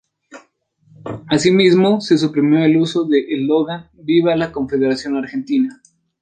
Asimismo, se suprimió el uso del eslogan ""¡Viva la Confederación Argentina!